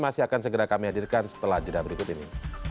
masih akan segera kami hadirkan setelah jeda berikut ini